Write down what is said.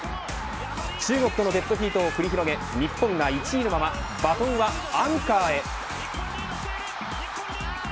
中国とのデッドヒートを繰り広げ日本が１位のままバトンはアンカーへ。